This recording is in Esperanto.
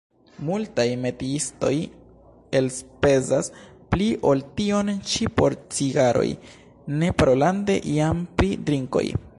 Multaj metiistoj elspezas pli ol tion ĉi por cigaroj, ne parolante jam pri drinkoj.